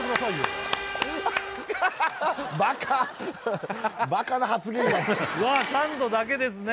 今のうわっサンドだけですね